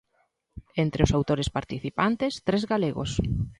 Entre os autores participantes, tres galegos.